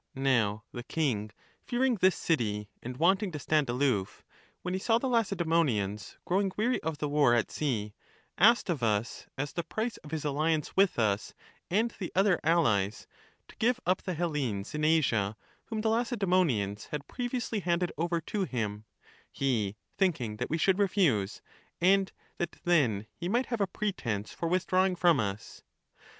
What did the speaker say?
Now the king fearing this city and wanting to stand aloof, when he saw the Lacedaemonians growing weary of the war at sea, asked of us, as the price of his alliance with us and the other allies, to give up the Hellenes in Asia, whom the Lacedaemonians had previously handed over to him, he thinking that we should refuse, and that then he might have a pretence for withdrawing from us.